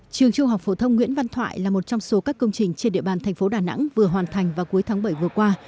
trường trung học phổ thông nguyễn văn thoại là một trong số các công trình trên địa bàn thành phố đà nẵng vừa hoàn thành vào cuối tháng bảy vừa qua